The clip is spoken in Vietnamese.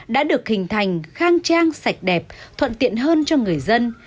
đã được hình thành khang trang sạch đẹp thuận tiện hơn cho người dân